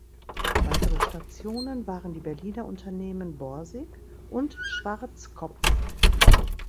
Weitere Stationen waren die Berliner Unternehmen Borsig und Schwartzkopff.